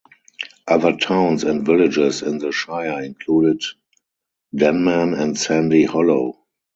Other towns and villages in the shire included Denman and Sandy Hollow.